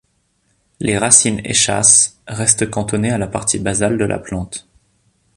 Les racines-échasses restent cantonnées à la partie basale de la plante.